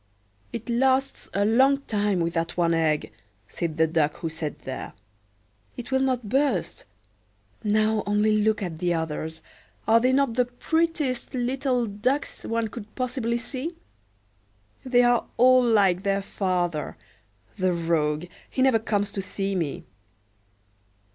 "It lasts a long time with that one egg," said the Duck who sat there. "It will not burst. Now, only look at the others; are they not the prettiest little ducks one could possibly see? They are all like their father: the rogue, he never comes to see me."